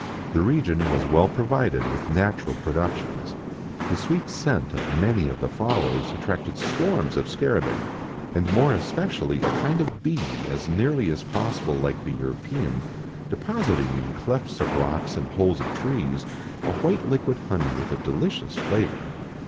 The region was well provided with natural productions. The sweet scent of many of the flowers attracted swarms of scarabaei, and more especially a kind of bee as nearly as possible like the European, depositing in clefts of rocks and holes of trees a white liquid honey with a delicious flavour.